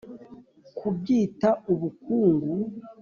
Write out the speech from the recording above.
kubyita ubukungu